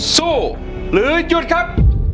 สู้หรือหยุดครับ